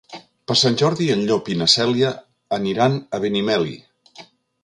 Per Sant Jordi en Llop i na Cèlia aniran a Benimeli.